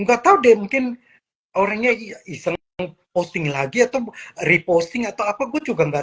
nggak tahu dia mungkin orangnya iseng posting lagi atau reposting atau apa gue juga nggak